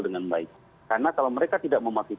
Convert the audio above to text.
dengan baik karena kalau mereka tidak mematuhi